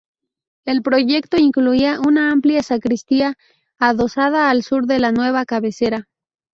El proyecto incluía una amplia sacristía adosada al sur de la nueva cabecera.